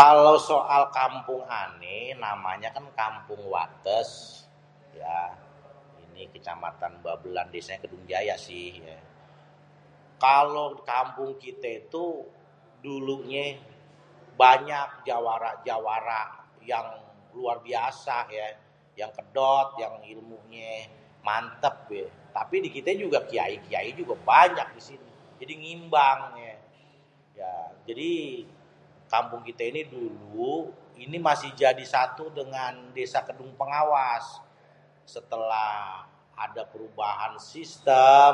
Kalo soal kampung ané namanya kan Kampung Wates ya ini kecamatan Babelan desanya Kedung Jaya si. Kalo kampung kita tuh dulunya banyak jawara-jawara yang luar biasa ye yang ilmunya mantep, tapi di kite kyai-kyai juga banyak disini jadi ngimbang ye. Jadi kampung kita ini dulu masih jadi satu dengan Desa Kedung Pengawas setelah ada perubahan sistem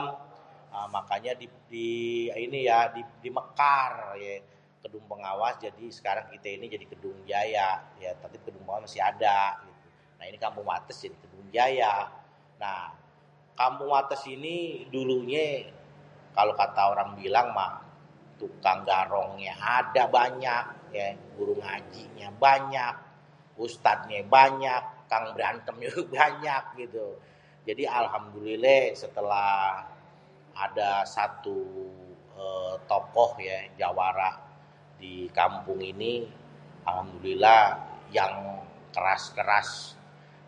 makanya eee ini ya di Mekar supaya Kedung Pengawas kite ini jadi kedungjaya. Nah ini Kampung Kedungjaya. Nah Kampung Wates ini dulunyé kalo kata orang bilang mah tukang garong yang ada banyak, guru ngajinya banyak, ustadz nya banyak, tukang berantem nye banyak gitu. Jadi Alhamdulilléh setelah ada satu eee tokoh ya jawara di kampung ini. Alhamdulillah yang keras-keras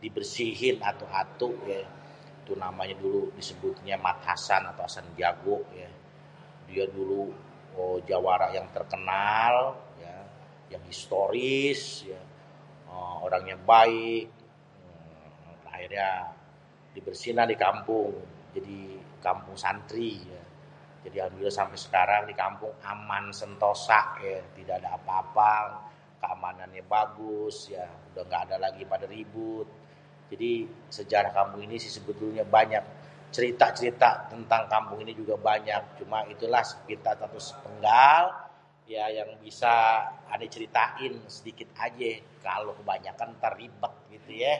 dibersihin atu-atu ya tuh namanya dulunya disebutnye mangkasan, mangkasan jago dia dulu jawara yang terkenal ya yang historis ya, orangnya baik akhirnya dibersihin lah ni kampung jadi kampung santri jadi Alhamdulillah sampe sekarang ni kampung aman sentosa ye tidak ada apa-apa, keamanannya bagus ya. Udeh engga ada lagi pada ribut, jadi sejarah kampung ini sebenernya banyak, cerita-cerita tentang kampung ini banyak. Cuma itu lah cerita sepenggal yang bisa ane ceritain sedikit aje kalo ga kebanyakan entar ribet gitu ye.